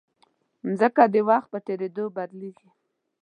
مځکه د وخت په تېرېدو بدلېږي.